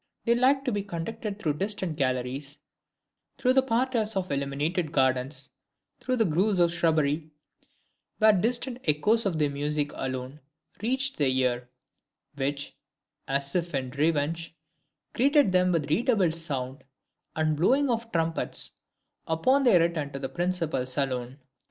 They liked to be conducted through distant galleries, through the parterres of illuminated gardens, through the groves of shrubbery, where distant echoes of the music alone reached the ear, which, as if in revenge, greeted them with redoubled sound and blowing of trumpets upon their return to the principal saloon.